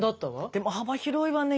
でも幅広いわね